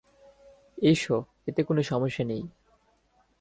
এইস, এতে কোনো সমস্যা নেই।